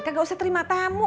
gak usah terima tamu